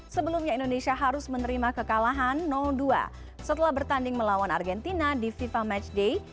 sebelumnya indonesia harus menerima kekalahan dua setelah bertanding melawan argentina di fifa matchday